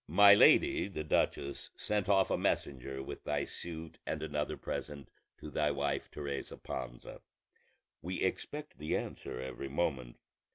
"My lady the duchess sent off a messenger with thy suit and another present to thy wife Teresa Panza; we expect the answer every moment.